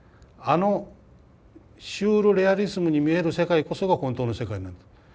あのシュール・レアリスムに見える世界こそが本当の世界なんだと。